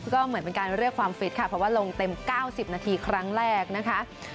ก็เหมือนเป็นการเรียกความฟิตค่ะเพราะว่าลงเต็ม๙๐นาทีครั้งแรกนะคะ